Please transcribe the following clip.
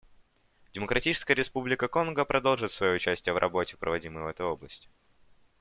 Демократическая республика Конго продолжит свое участие в работе, проводимой в этой области.